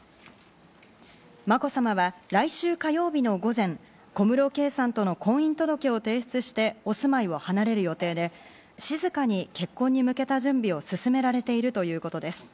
まこさまは来週火曜日の午前、小室圭さんとの婚姻届を提出して、お住まいを離れる予定で、静かに結婚に向けた準備を進められているということです。